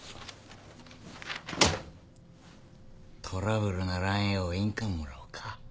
トラブルならんよう印鑑もらおうか。